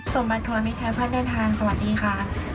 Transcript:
สมบัติทัวร์มิเทฟพรรดิเนินทางสวัสดีค่ะ